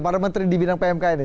para menteri di bidang pmk ini